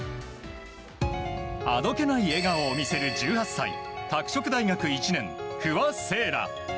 あどけない笑顔を見せる１８歳拓殖大学１年、不破聖衣来。